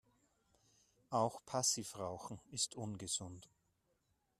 Auch Passivrauchen ist ungesund.